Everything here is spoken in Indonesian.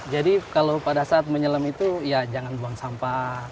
jadi kalau pada saat menyelam itu ya jangan buang sampah